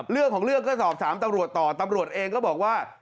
เรื่องของเรื่องก็สอบถามตำรวจต่อตำรวจเองก็บอกว่า